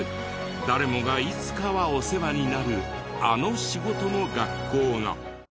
誰もがいつかはお世話になるあの仕事の学校が。